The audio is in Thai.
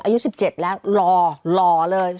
อายุ๑๗แล้วหล่อหล่อเลย